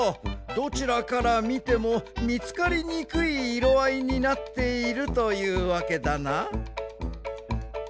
どちらからみてもみつかりにくい色あいになっているというわけだな。